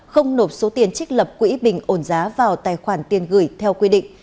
không nộp số tiền trích lập quỹ bình ổn giá vào tài khoản tiền gửi theo quy định